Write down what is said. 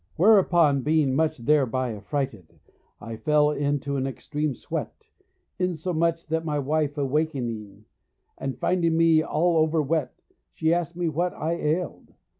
"Whereupon, being much thereby affrighted, I fell into an extreme sweat, insomuch that my wife awaking, and finding me all over wet, she asked me what I ailed.